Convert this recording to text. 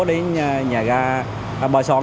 đến nhà ga bờ son